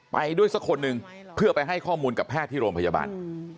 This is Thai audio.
ไปด้วยสักคนหนึ่งเพื่อไปให้ข้อมูลกับแพทย์ที่โรงพยาบาล